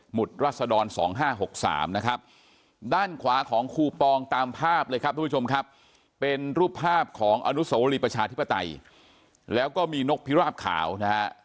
รัศดร๒๕๖๓นะครับด้านขวาของคูปองตามภาพเลยครับทุกผู้ชมครับเป็นรูปภาพของอนุสวรีประชาธิปไตยแล้วก็มีนกพิราบขาวนะฮะ